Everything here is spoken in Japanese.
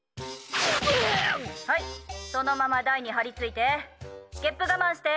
はい、そのまま台に張り付いて。